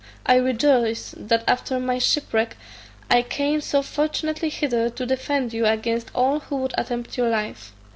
I rejoice that after my shipwreck I came so fortunately hither to defend you against all who would attempt your life.